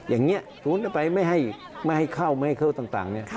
อย่างนี้สูญติดไปไม่ให้เข้าไม่ให้เข้าต่าง